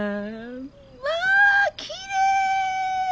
まあきれい！